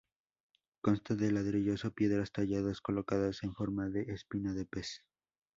Consta de ladrillos o piedras talladas, colocadas en forma de espina de pez.